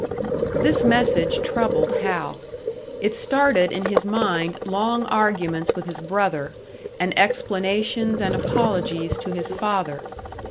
This message troubled Hal. It started in his mind long arguments with his brother, and explanations and apologies to his father.